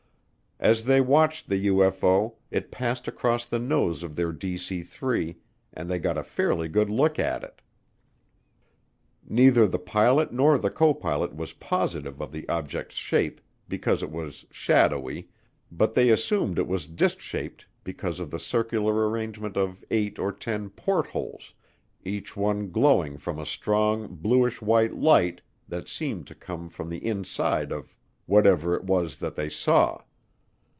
As they watched the UFO, it passed across the nose of their DC 3 and they got a fairly good look at it. Neither the pilot nor the copilot was positive of the object's shape because it was "shadowy" but they assumed it was disk shaped because of the circular arrangement of eight or ten "portholes," each one glowing from a strong bluish white light that seemed to come from the inside of whatever it was that they saw.